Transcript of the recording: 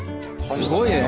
すごいね。